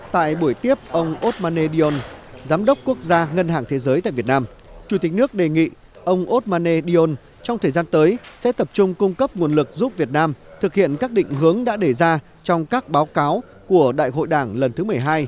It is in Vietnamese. tại buổi tiếp ông osmane dion giám đốc quốc gia ngân hàng thế giới tại việt nam chủ tịch nước đề nghị ông osmane dion trong thời gian tới sẽ tập trung cung cấp nguồn lực giúp việt nam thực hiện các định hướng đã đề ra trong các báo cáo của đại hội đảng lần thứ một mươi hai